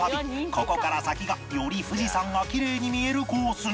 ここから先がより富士山がきれいに見えるコースに